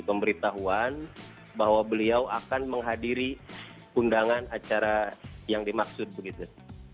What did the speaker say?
pemberitahuan bahwa beliau akan menghadiri undangan acara yang dimaksud begitu